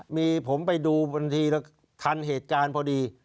มีผมไปดูบางทีทันเหตุการณ์พอดี